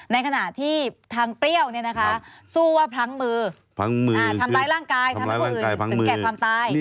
ในขณะที่ทางเปรี้ยวสู้ว่าพลั้งมือทำร้ายร่างกายทำให้ผู้อื่นถึงแก่ความตาย